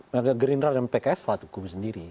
pak gerindra dan pks lah tukung sendiri